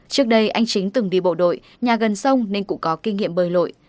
trước đây anh chính từng đi bộ đội nhà gần sông nên cũng có kinh nghiệm bơi lội